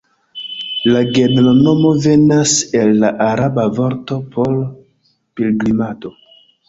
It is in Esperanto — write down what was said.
La genronomo venas el la araba vorto por "pilgrimado".